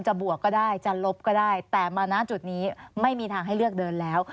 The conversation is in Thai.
บวกก็ได้จะลบก็ได้แต่มาณจุดนี้ไม่มีทางให้เลือกเดินแล้ว